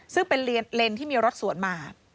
ซึ่งเป็นเลนส์ที่มีรถสวนมา